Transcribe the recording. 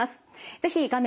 是非画面